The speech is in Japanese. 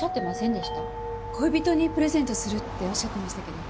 恋人にプレゼントするっておっしゃってましたけど。